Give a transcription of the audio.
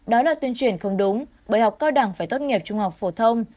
đó là tuyên truyền không đúng bởi học cao đẳng phải tốt nghiệp trung học phổ thông